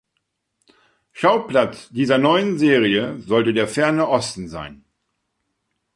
Schauplatz dieser neuen Serie sollte der Ferne Osten sein.